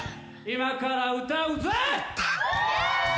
今から歌うぜ！